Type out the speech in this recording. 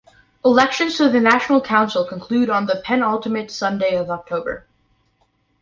Elections to the National Council conclude on the penultimate Sunday of October.